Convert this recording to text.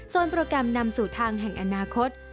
ส่วนโปรแกรมนำสู่ทางแห่งอนาคต